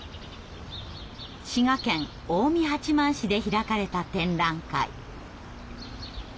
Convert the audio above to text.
滋賀県近江八幡市で開かれた展覧会。